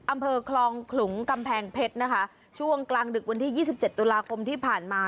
อำเภอคลองขลุงกำแพงเพชรนะคะช่วงกลางดึกวันที่ยี่สิบเจ็ดตุลาคมที่ผ่านมา